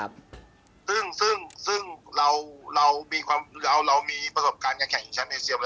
ซึ่งซึ่งซึ่งเรามีประสบการณ์กันแข่งอยู่ชั้นเอเซียว